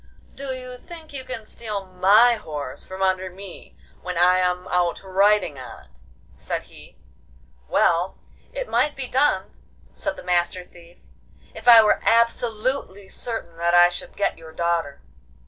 'Do you think you can steal my horse from under me when I am out riding on it?' said he. 'Well, it might be done,' said the Master Thief, 'if I were absolutely certain that I should get your daughter.